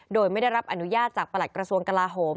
โดยไม่ได้รับอนุญาตจากประหลัดกระทรวงกลาโหม